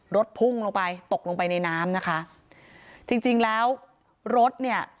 พุ่งลงไปตกลงไปในน้ำนะคะจริงจริงแล้วรถเนี่ย